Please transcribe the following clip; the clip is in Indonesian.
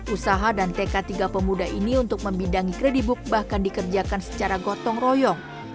usaha dan tk tiga pemuda ini untuk membidangi kredibook bahkan dikerjakan secara gotong royong